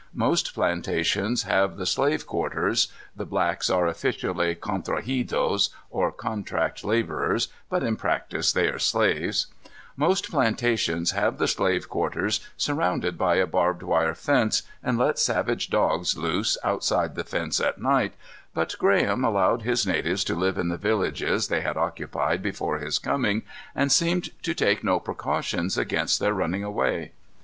Most plantations have the slave quarters the blacks are officially "contrahidos," or contract laborers, but in practice they are slaves most plantations have the slave quarters surrounded by a barbed wire fence, and let savage dogs loose outside the fence at night, but Graham allowed his natives to live in the villages they had occupied before his coming and seemed to take no precautions against their running away.